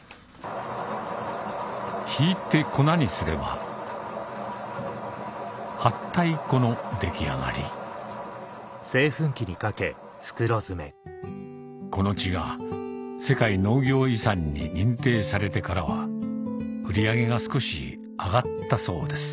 挽いて粉にすればはったい粉の出来上がりこの地が世界農業遺産に認定されてからは売り上げが少し上がったそうです